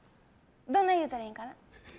どんなん言うたらいいんかな。